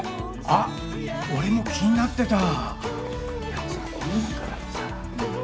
あっ俺も気になってた！